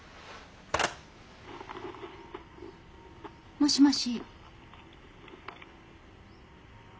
☎もしもし。